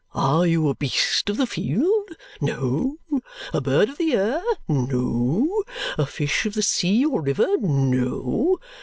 Are you a beast of the field? No. A bird of the air? No. A fish of the sea or river? No.